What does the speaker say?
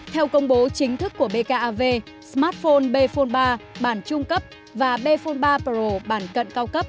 theo công bố chính thức của bkav smartphone bhul ba bản trung cấp và bhul ba pro bản cận cao cấp